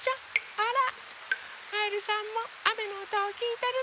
あらカエルさんもあめのおとをきいてるのね。